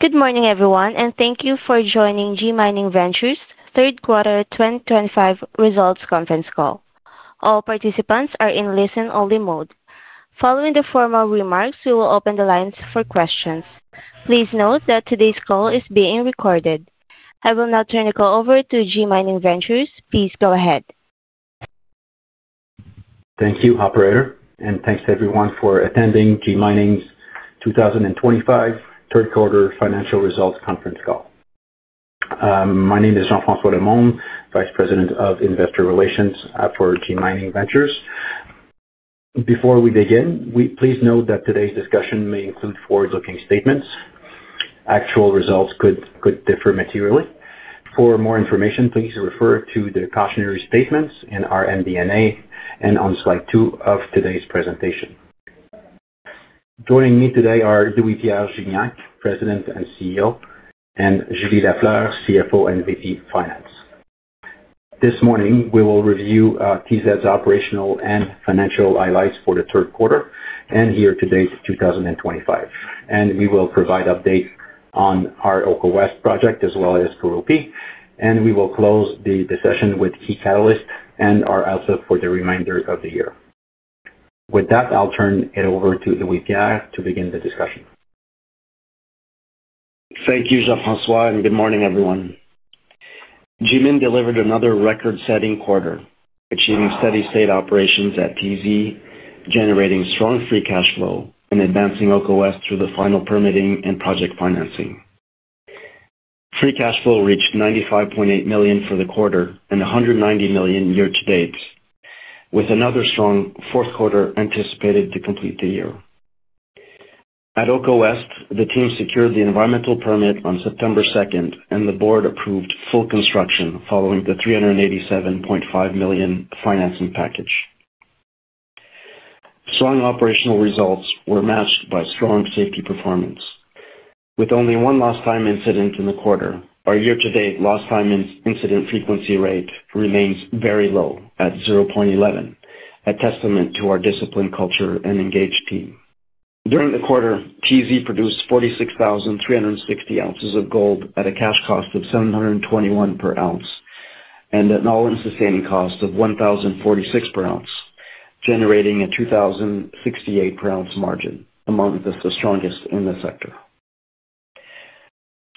Good morning, everyone, and thank you for joining G Mining Ventures' Third Quarter 2025 Results Conference Call. All participants are in listen-only mode. Following the formal remarks, we will open the lines for questions. Please note that today's call is being recorded. I will now turn the call over to G Mining Ventures. Please go ahead. Thank you, Operator, and thanks to everyone for attending G Mining's 2025 Third Quarter Financial Results Conference Call. My name is Jean-François Lemonde, Vice President of Investor Relations for G Mining Ventures. Before we begin, please note that today's discussion may include forward-looking statements. Actual results could differ materially. For more information, please refer to the cautionary statements in our MD&A and on slide two of today's presentation. Joining me today are Louis-Pierre Gignac, President and CEO, and Julie Lafleur, CFO and VP Finance. This morning, we will review TZ's operational and financial highlights for the third quarter and year-to-date 2025. We will provide updates on our Oko West project as well as Gurupi. We will close the session with key catalysts and our outlook for the remainder of the year. With that, I'll turn it over to Louis-Pierre to begin the discussion. Thank you, Jean-François, and good morning, everyone. G Mining delivered another record-setting quarter, achieving steady-state operations at TZ, generating strong free cash flow, and advancing Oko West through the final permitting and project financing. Free cash flow reached $95.8 million for the quarter and $190 million year-to-date, with another strong fourth quarter anticipated to complete the year. At Oko West, the team secured the environmental permit on September 2, and the board approved full construction following the $387.5 million financing package. Strong operational results were matched by strong safety performance. With only one lost-time incident in the quarter, our year-to-date lost-time incident frequency rate remains very low at 0.11, a testament to our disciplined culture and engaged team. During the quarter, TZ produced 46,360 ounces of gold at a cash cost of $721 per ounce and an all-in sustaining cost of $1,046 per ounce, generating a $2,068 per ounce margin, among the strongest in the sector.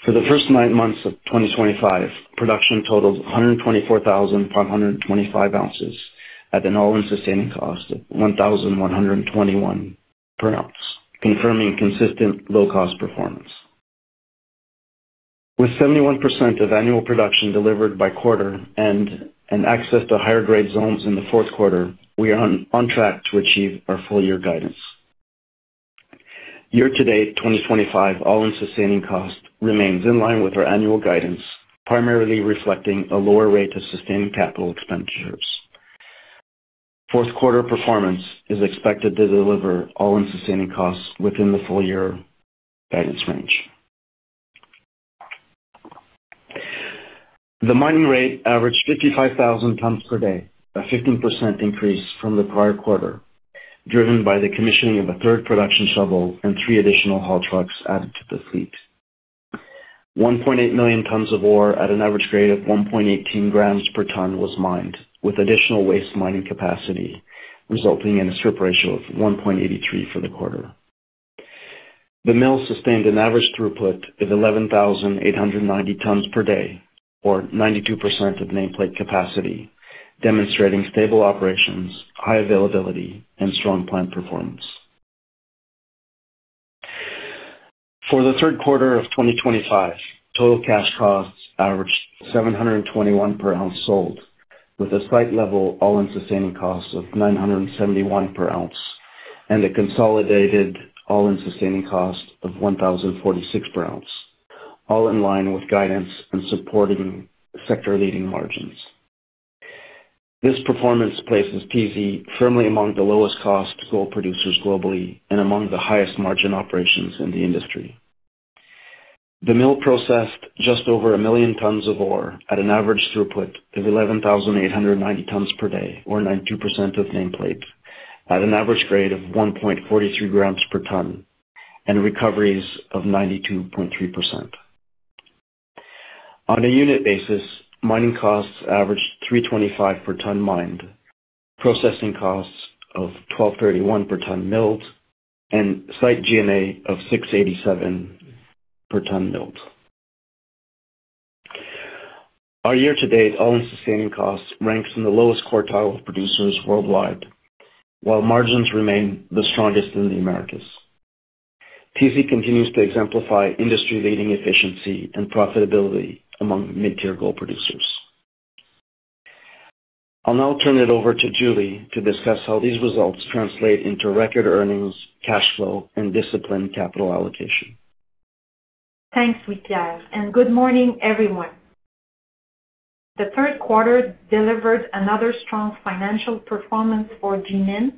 For the first nine months of 2025, production totaled 124,525 ounces at an all-in sustaining cost of $1,121 per ounce, confirming consistent low-cost performance. With 71% of annual production delivered by quarter and access to higher-grade zones in the fourth quarter, we are on track to achieve our full-year guidance. Year-to-date 2025 all-in sustaining cost remains in line with our annual guidance, primarily reflecting a lower rate of sustaining capital expenditures. Fourth quarter performance is expected to deliver all-in sustaining costs within the full-year guidance range. The mining rate averaged 55,000 tons per day, a 15% increase from the prior quarter, driven by the commissioning of a third production shovel and three additional haul trucks added to the fleet. 1.8 million tons of ore at an average grade of 1.18 grams per ton was mined, with additional waste mining capacity resulting in a strip ratio of 1.83 for the quarter. The mill sustained an average throughput of 11,890 tons per day, or 92% of nameplate capacity, demonstrating stable operations, high availability, and strong plant performance. For the third quarter of 2025, total cash costs averaged $721 per ounce sold, with a site-level all-in sustaining cost of $971 per ounce and a consolidated all-in sustaining cost of $1,046 per ounce, all in line with guidance and supporting sector-leading margins. This performance places TZ firmly among the lowest-cost gold producers globally and among the highest-margin operations in the industry. The mill processed just over 1 million tons of ore at an average throughput of 11,890 tons per day, or 92% of nameplate, at an average grade of 1.43 grams per ton and recoveries of 92.3%. On a unit basis, mining costs averaged $325 per ton mined, processing costs of $1,231 per ton milled, and site GNA of $687 per ton milled. Our year-to-date all-in sustaining costs ranks in the lowest quartile of producers worldwide, while margins remain the strongest in the Americas. TZ continues to exemplify industry-leading efficiency and profitability among mid-tier gold producers. I'll now turn it over to Julie to discuss how these results translate into record earnings, cash flow, and disciplined capital allocation. Thanks, Louis-Pierre, and good morning, everyone. The third quarter delivered another strong financial performance for G Mining Ventures,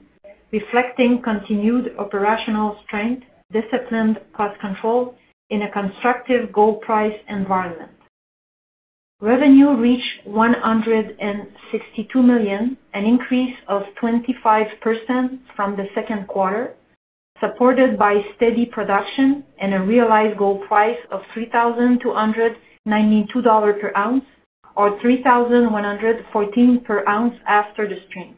reflecting continued operational strength, disciplined cost control, and a constructive gold price environment. Revenue reached $162 million, an increase of 25% from the second quarter, supported by steady production and a realized gold price of $3,292 per ounce, or $3,114 per ounce after the stream.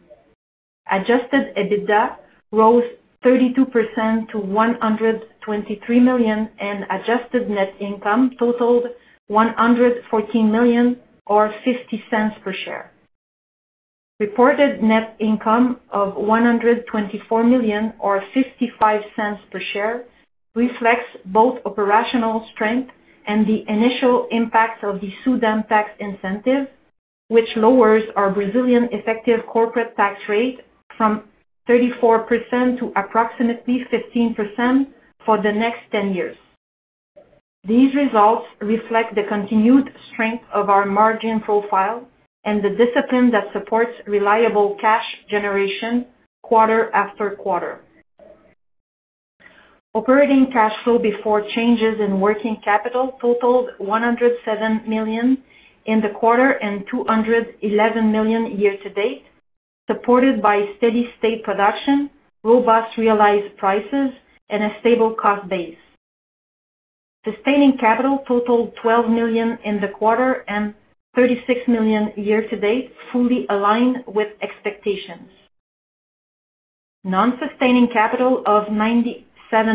Adjusted EBITDA rose 32% to $123 million, and adjusted net income totaled $114 million, or $0.50 per share. Reported net income of $124 million, or $0.55 per share, reflects both operational strength and the initial impact of the SUDAM tax incentive, which lowers our Brazilian effective corporate tax rate from 34% to approximately 15% for the next 10 years. These results reflect the continued strength of our margin profile and the discipline that supports reliable cash generation quarter after quarter. Operating cash flow before changes in working capital totaled $107 million in the quarter and $211 million year-to-date, supported by steady-state production, robust realized prices, and a stable cost base. Sustaining capital totaled $12 million in the quarter and $36 million year-to-date, fully aligned with expectations. Non-sustaining capital of $97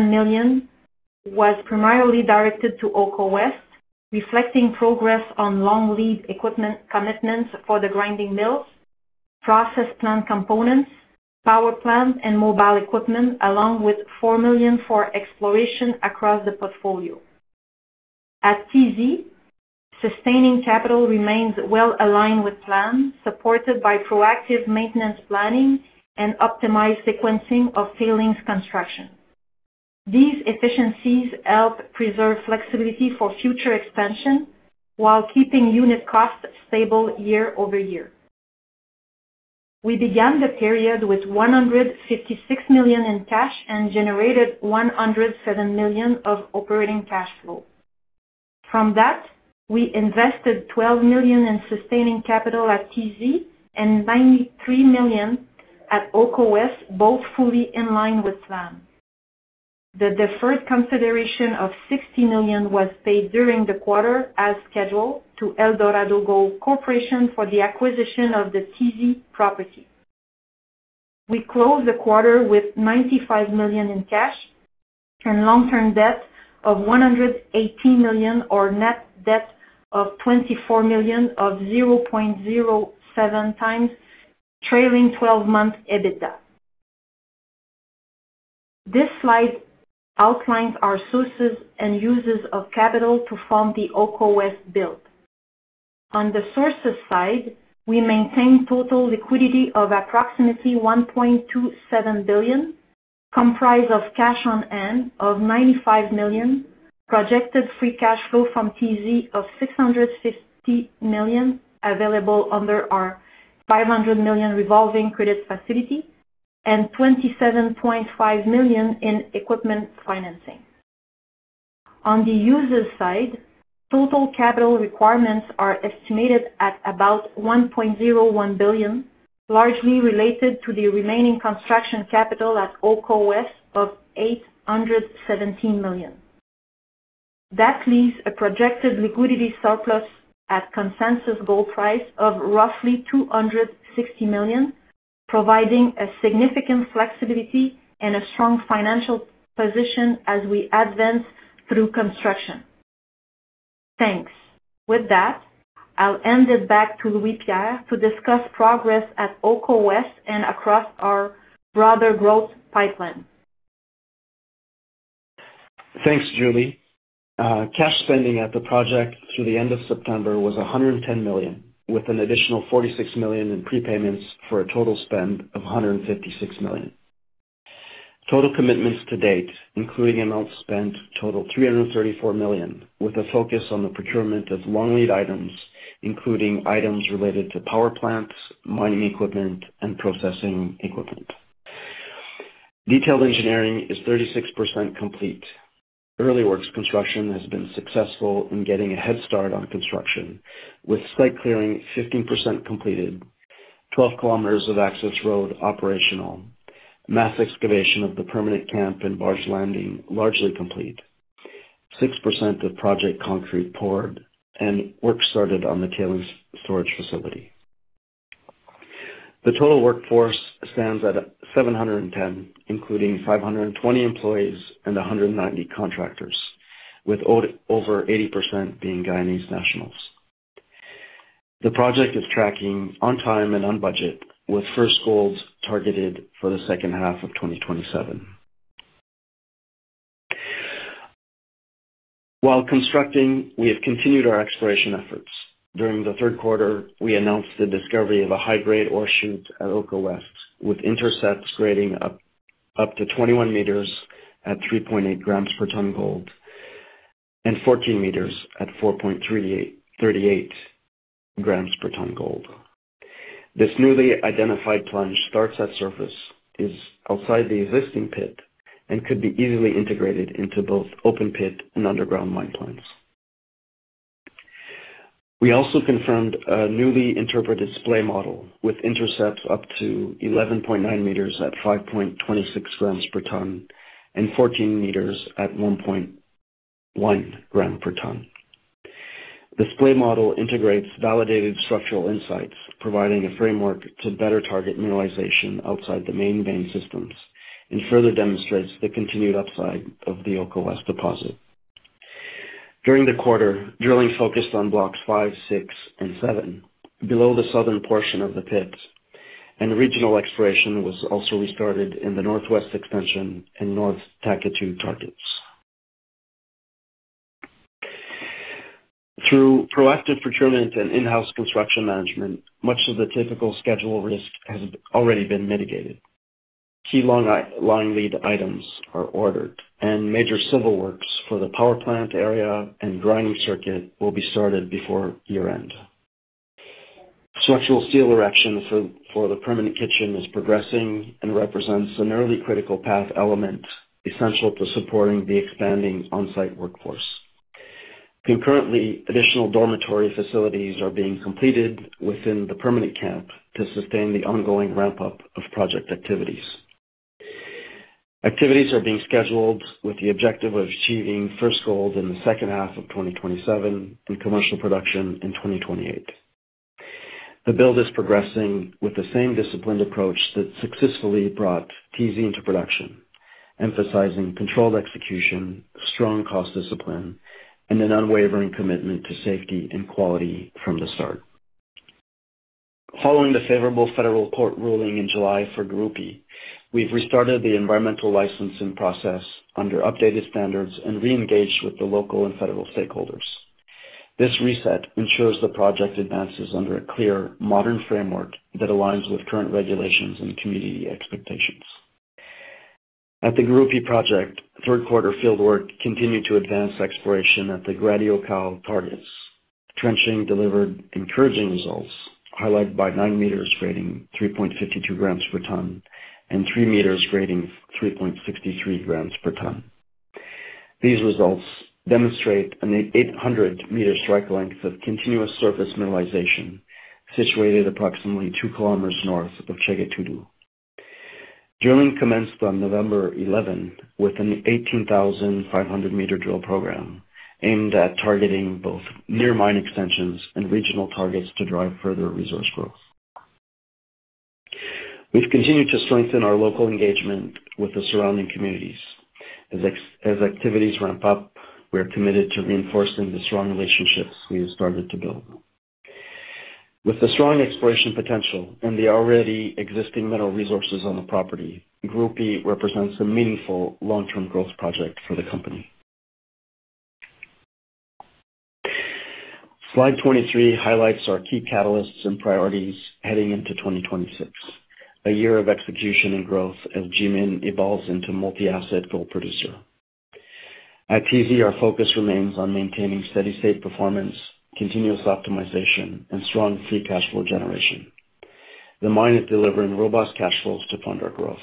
million was primarily directed to Oko West, reflecting progress on long-lead equipment commitments for the grinding mills, process plant components, power plants, and mobile equipment, along with $4 million for exploration across the portfolio. At TZ, sustaining capital remains well aligned with plan, supported by proactive maintenance planning and optimized sequencing of tailings construction. These efficiencies help preserve flexibility for future expansion while keeping unit costs stable year over year. We began the period with $156 million in cash and generated $107 million of operating cash flow. From that, we invested $12 million in sustaining capital at TZ and $93 million at Oko West, both fully in line with plan. The deferred consideration of $60 million was paid during the quarter as scheduled to Eldorado Gold Corporation for the acquisition of the TZ property. We closed the quarter with $95 million in cash and long-term debt of $118 million, or net debt of $24 million or 0.07 times trailing 12-month EBITDA. This slide outlines our sources and uses of capital to form the Oko West build. On the sources side, we maintained total liquidity of approximately $1.27 billion, comprised of cash on hand of $95 million, projected free cash flow from TZ of $650 million, available under our $500 million revolving credit facility, and $27.5 million in equipment financing. On the uses side, total capital requirements are estimated at about $1.01 billion, largely related to the remaining construction capital at Oko West of $817 million. That leaves a projected liquidity surplus at consensus gold price of roughly $260 million, providing significant flexibility and a strong financial position as we advance through construction. Thanks. With that, I'll hand it back to Louis-Pierre to discuss progress at Oko West and across our broader growth pipeline. Thanks, Julie. Cash spending at the project through the end of September was $110 million, with an additional $46 million in prepayments for a total spend of $156 million. Total commitments to date, including amounts spent, total $334 million, with a focus on the procurement of long-lead items, including items related to power plants, mining equipment, and processing equipment. Detailed engineering is 36% complete. Early works construction has been successful in getting a head start on construction, with site clearing 15% completed, 12 km of access road operational, mass excavation of the permanent camp and barge landing largely complete, 6% of project concrete poured, and work started on the tailings storage facility. The total workforce stands at 710, including 520 employees and 190 contractors, with over 80% being Guyanese nationals. The project is tracking on time and on budget, with first gold targeted for the second half of 2027. While constructing, we have continued our exploration efforts. During the third quarter, we announced the discovery of a high-grade ore chute at Oko West, with intercepts grading up to 21 meters at 3.8 grams per ton gold and 14 meters at 4.38 grams per ton gold. This newly identified plunge starts at surface, is outside the existing pit, and could be easily integrated into both open pit and underground mine plant. We also confirmed a newly interpreted splay model with intercepts up to 11.9 meters at 5.26 grams per ton and 14 meters at 1.1 gram per ton. The splay model integrates validated structural insights, providing a framework to better target mineralization outside the main vein systems and further demonstrates the continued upside of the Oko West deposit. During the quarter, drilling focused on blocks five, six, and seven below the southern portion of the pit, and regional exploration was also restarted in the northwest extension and north Takitu targets. Through proactive procurement and in-house construction management, much of the typical schedule risk has already been mitigated. Key long-lead items are ordered, and major civil works for the power plant area and grinding circuit will be started before year-end. Structural steel erection for the permanent kitchen is progressing and represents an early critical path element essential to supporting the expanding on-site workforce. Concurrently, additional dormitory facilities are being completed within the permanent camp to sustain the ongoing ramp-up of project activities. Activities are being scheduled with the objective of achieving first gold in the second half of 2027 and commercial production in 2028. The build is progressing with the same disciplined approach that successfully brought TZ into production, emphasizing controlled execution, strong cost discipline, and an unwavering commitment to safety and quality from the start. Following the favorable federal court ruling in July for Gurupi, we've restarted the environmental licensing process under updated standards and re-engaged with the local and federal stakeholders. This reset ensures the project advances under a clear, modern framework that aligns with current regulations and community expectations. At the Gurupi project, third quarter fieldwork continued to advance exploration at the Grodiocal targets. Trenching delivered encouraging results, highlighted by 9 meters grading 3.52 grams per ton and 3 meters grading 3.63 grams per ton. These results demonstrate an 800-meter strike length of continuous surface mineralization situated approximately 2 kilometers north of Chega Tudo. Drilling commenced on November 11 with an 18,500-meter drill program aimed at targeting both near mine extensions and regional targets to drive further resource growth. We've continued to strengthen our local engagement with the surrounding communities. As activities ramp up, we're committed to reinforcing the strong relationships we have started to build. With the strong exploration potential and the already existing mineral resources on the property, Gurupi represents a meaningful long-term growth project for the company. Slide 23 highlights our key catalysts and priorities heading into 2026, a year of execution and growth as G Mining Ventures evolves into a multi-asset gold producer. At TZ, our focus remains on maintaining steady-state performance, continuous optimization, and strong free cash flow generation. The mine is delivering robust cash flows to fund our growth.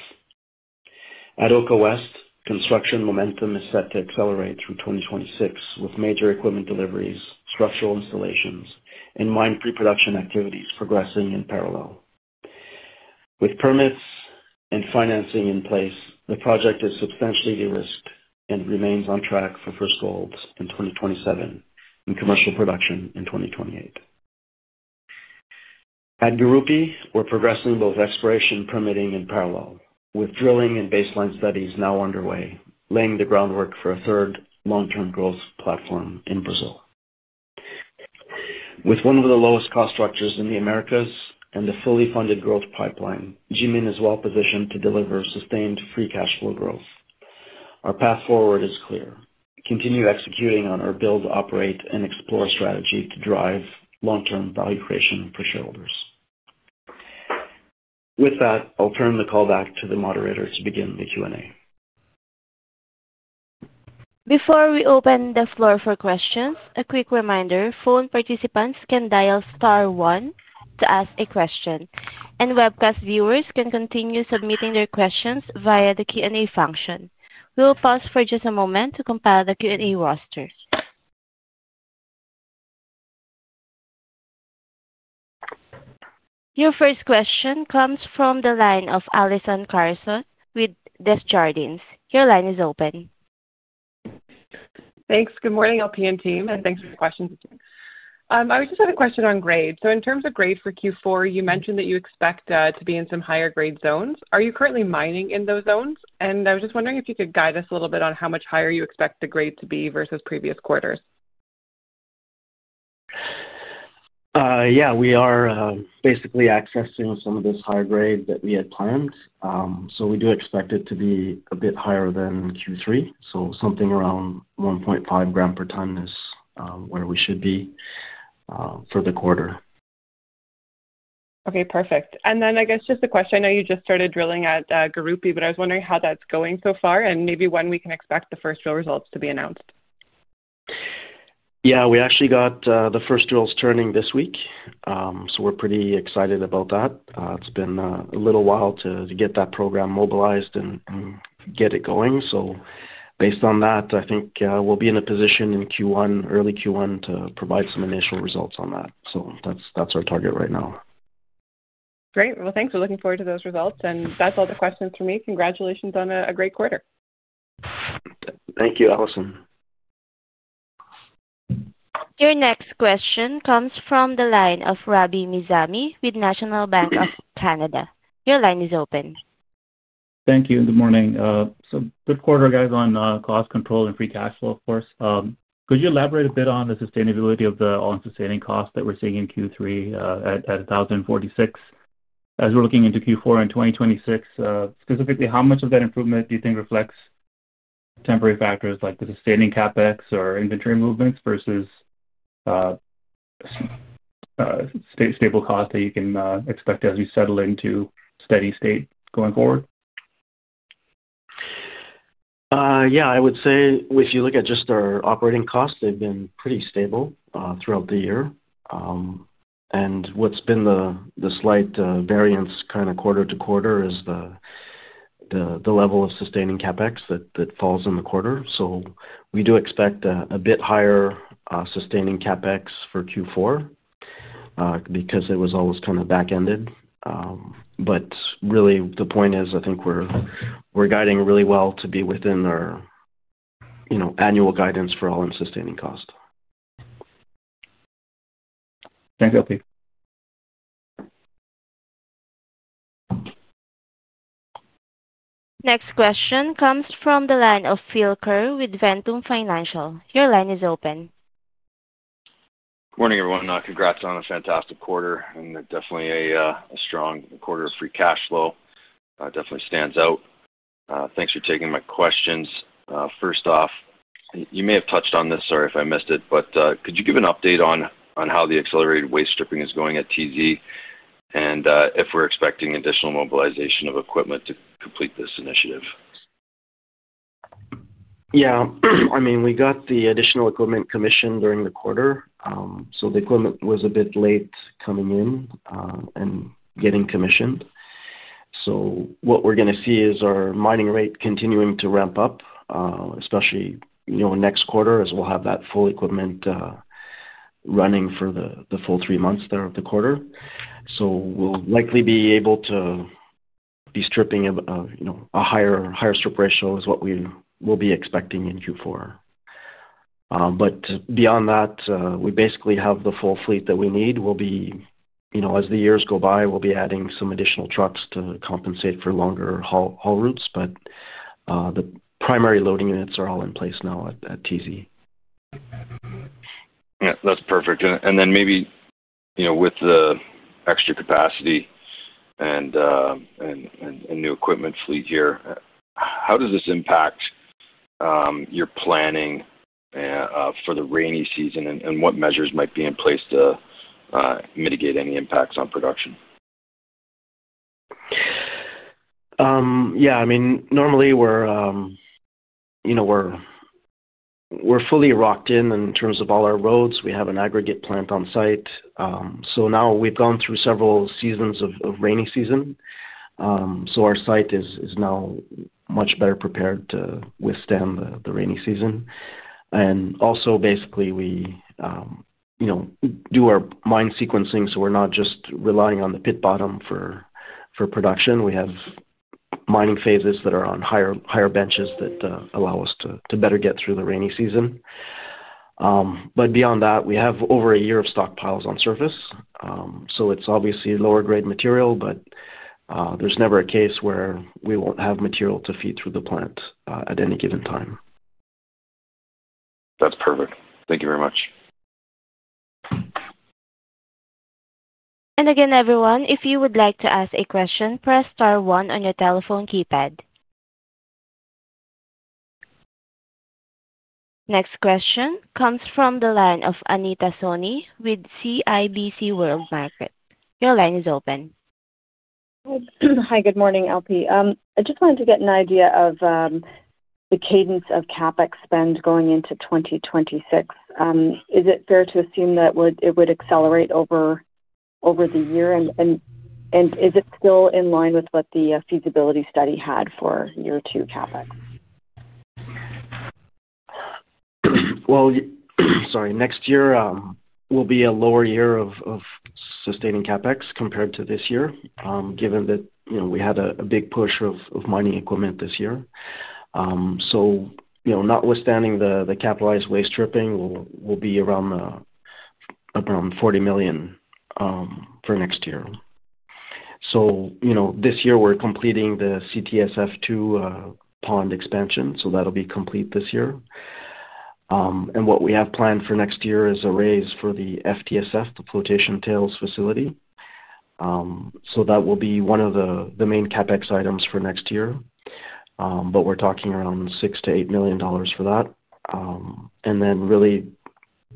At Oko West, construction momentum is set to accelerate through 2026, with major equipment deliveries, structural installations, and mine pre-production activities progressing in parallel. With permits and financing in place, the project is substantially de-risked and remains on track for first gold in 2027 and commercial production in 2028. At Gurupi, we're progressing both exploration, permitting, and parallel, with drilling and baseline studies now underway, laying the groundwork for a third long-term growth platform in Brazil. With one of the lowest cost structures in the Americas and a fully funded growth pipeline, G Mining Ventures is well positioned to deliver sustained free cash flow growth. Our path forward is clear: continue executing on our build, operate, and explore strategy to drive long-term value creation for shareholders. With that, I'll turn the call back to the moderator to begin the Q&A. Before we open the floor for questions, a quick reminder: phone participants can dial Star 1 to ask a question, and webcast viewers can continue submitting their questions via the Q&A function. We'll pause for just a moment to compile the Q&A roster. Your first question comes from the line of Allison Carson with Desjardins. Your line is open. Thanks. Good morning, LP and team, and thanks for the questions. I would just have a question on grade. In terms of grade for Q4, you mentioned that you expect to be in some higher grade zones. Are you currently mining in those zones? I was just wondering if you could guide us a little bit on how much higher you expect the grade to be versus previous quarters. Yeah, we are basically accessing some of this higher grade that we had planned. We do expect it to be a bit higher than Q3. Something around 1.5 gram per ton is where we should be for the quarter. Okay, perfect. I guess just a question. I know you just started drilling at Gurupi, but I was wondering how that's going so far and maybe when we can expect the first drill results to be announced. Yeah, we actually got the first drills turning this week, so we're pretty excited about that. It's been a little while to get that program mobilized and get it going. Based on that, I think we'll be in a position in Q1, early Q1, to provide some initial results on that. That's our target right now. Great. Thanks. We're looking forward to those results. That's all the questions for me. Congratulations on a great quarter. Thank you, Allison. Your next question comes from the line of Rabi Nizami with National Bank of Canada. Your line is open. Thank you. Good morning. Good quarter, guys, on cost control and free cash flow, of course. Could you elaborate a bit on the sustainability of the all-in sustaining costs that we're seeing in Q3 at $1,046 as we're looking into Q4 in 2026? Specifically, how much of that improvement do you think reflects temporary factors like the sustaining CapEx or inventory movements versus stable costs that you can expect as you settle into steady state going forward? Yeah, I would say if you look at just our operating costs, they've been pretty stable throughout the year. What's been the slight variance kind of quarter to quarter is the level of sustaining CapEx that falls in the quarter. We do expect a bit higher sustaining CapEx for Q4 because it was always kind of back-ended. Really, the point is I think we're guiding really well to be within our annual guidance for all-in sustaining cost. Thank you, LP. Next question comes from the line of Phil Kerr with Ventum Financial. Your line is open. Morning, everyone. Congrats on a fantastic quarter, and definitely a strong quarter of free cash flow. Definitely stands out. Thanks for taking my questions. First off, you may have touched on this, sorry if I missed it, but could you give an update on how the accelerated waste stripping is going at TZ and if we're expecting additional mobilization of equipment to complete this initiative? Yeah. I mean, we got the additional equipment commissioned during the quarter. The equipment was a bit late coming in and getting commissioned. What we're going to see is our mining rate continuing to ramp up, especially next quarter as we'll have that full equipment running for the full three months of the quarter. We'll likely be able to be stripping a higher strip ratio, which is what we will be expecting in Q4. Beyond that, we basically have the full fleet that we need. As the years go by, we'll be adding some additional trucks to compensate for longer haul routes, but the primary loading units are all in place now at TZ. Yeah, that's perfect. Maybe with the extra capacity and new equipment fleet here, how does this impact your planning for the rainy season and what measures might be in place to mitigate any impacts on production? Yeah. I mean, normally, we're fully rocked in in terms of all our roads. We have an aggregate plant on site. Now we've gone through several seasons of rainy season. Our site is now much better prepared to withstand the rainy season. Also, basically, we do our mine sequencing, so we're not just relying on the pit bottom for production. We have mining phases that are on higher benches that allow us to better get through the rainy season. Beyond that, we have over a year of stockpiles on surface. It's obviously lower-grade material, but there's never a case where we won't have material to feed through the plant at any given time. That's perfect. Thank you very much. Again, everyone, if you would like to ask a question, press star one on your telephone keypad. Next question comes from the line of Anita Soni with CIBC World Market. Your line is open. Hi, good morning, Alfie. I just wanted to get an idea of the cadence of CapEx spend going into 2026. Is it fair to assume that it would accelerate over the year? Is it still in line with what the feasibility study had for year-two CapEx? Next year will be a lower year of sustaining CapEx compared to this year, given that we had a big push of mining equipment this year. Notwithstanding the capitalized waste stripping, we'll be around $40 million for next year. This year, we're completing the CTSF-2 pond expansion, so that'll be complete this year. What we have planned for next year is a raise for the FTSF, the Flotation Tails facility. That will be one of the main CapEx items for next year, but we're talking around $6 million-$8 million for that. Really,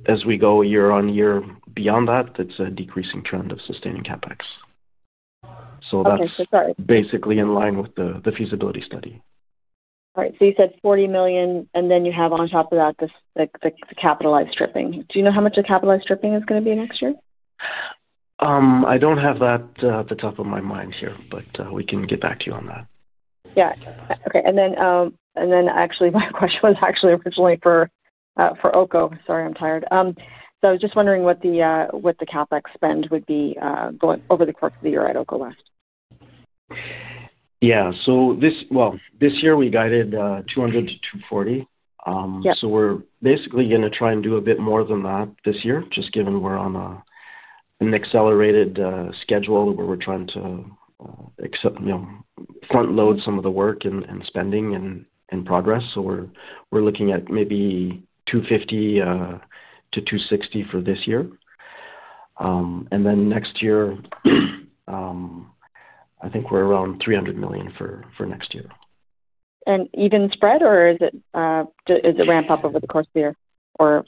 as we go year on year beyond that, it's a decreasing trend of sustaining CapEx. That's basically in line with the feasibility study. All right. So you said $40 million, and then you have on top of that the capitalized stripping. Do you know how much the capitalized stripping is going to be next year? I don't have that at the top of my mind here, but we can get back to you on that. Yeah. Okay. My question was actually originally for Oko. Sorry, I'm tired. I was just wondering what the CapEx spend would be over the course of the year at Oko West. Yeah. This year, we guided $200 million-$240 million. We're basically going to try and do a bit more than that this year, just given we're on an accelerated schedule where we're trying to front-load some of the work and spending and progress. We're looking at maybe $250 million-$260 million for this year. Next year, I think we're around $300 million for next year. an even spread, or is it ramp up over the course of the year? Or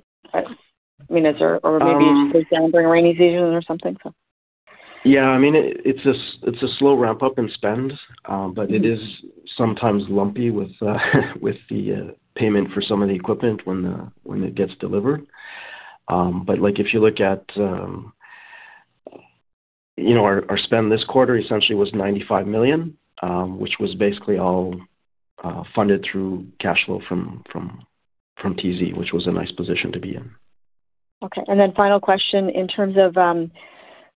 maybe it just goes down during rainy seasons or something, so. Yeah. I mean, it's a slow ramp up in spend, but it is sometimes lumpy with the payment for some of the equipment when it gets delivered. If you look at our spend this quarter, essentially it was $95 million, which was basically all funded through cash flow from TZ, which was a nice position to be in. Okay. And then final question, in terms of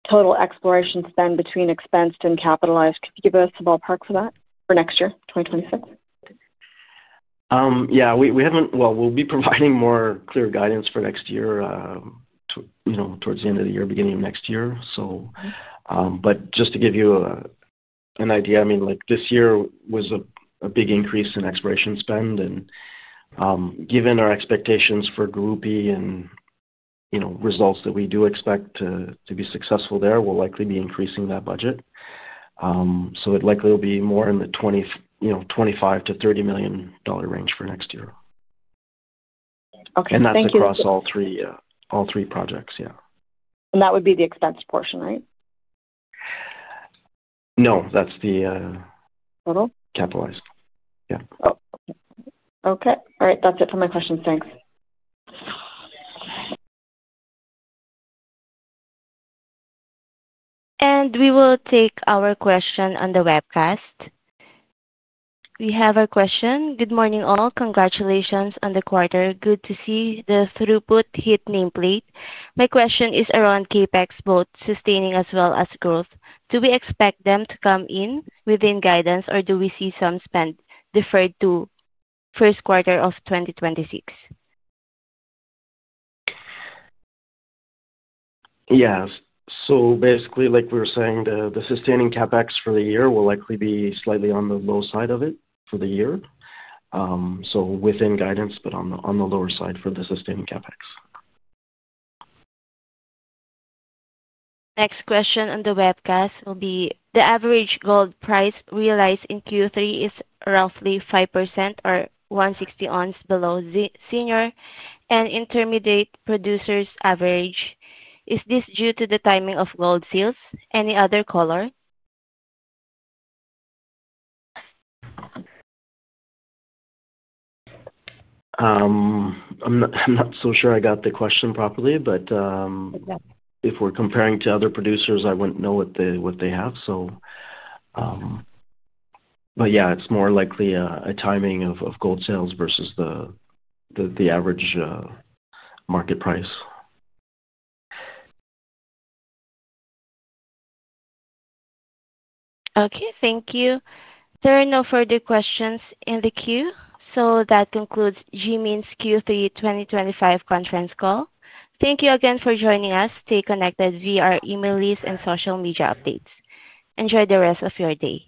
total exploration spend between expensed and capitalized, could you give us a ballpark for that for next year, 2026? Yeah. We'll be providing more clear guidance for next year towards the end of the year, beginning of next year. But just to give you an idea, I mean, this year was a big increase in exploration spend. And given our expectations for Gurupi and results that we do expect to be successful there, we'll likely be increasing that budget. So it likely will be more in the $25 million-$30 million range for next year. Okay. Thank you. That's across all three projects, yeah. That would be the expense portion, right? No, that's the. Total? Capitalized. Yeah. Oh, okay. All right. That's it for my questions. Thanks. We will take our question on the webcast. We have a question. Good morning, all. Congratulations on the quarter. Good to see the throughput hit nameplate. My question is around CapEx, both sustaining as well as growth. Do we expect them to come in within guidance, or do we see some spend deferred to first quarter of 2026? Yeah. So basically, like we were saying, the sustaining CapEx for the year will likely be slightly on the low side of it for the year. So within guidance, but on the lower side for the sustaining CapEx. Next question on the webcast will be the average gold price realized in Q3 is roughly 5% or $160 per ounce below senior and intermediate producers' average. Is this due to the timing of gold sales? Any other color? I'm not so sure I got the question properly, but if we're comparing to other producers, I wouldn't know what they have. Yeah, it's more likely a timing of gold sales versus the average market price. Okay. Thank you. There are no further questions in the queue. So that concludes G Mining Ventures' Q3 2025 conference call. Thank you again for joining us. Stay connected via our email list and social media updates. Enjoy the rest of your day.